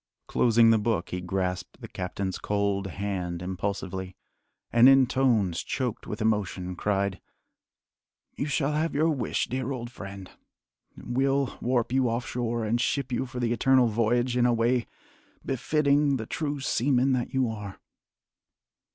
Closing the book, he grasped the captain's cold hand impulsively, and in tones choked with emotion, cried: "You shall have your wish, dear old friend! We'll warp you off shore and ship you for the Eternal Voyage in a way befitting the true seaman that you are."